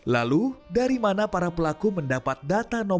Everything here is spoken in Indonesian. lalu dari mana para pelaku mendapat data nomor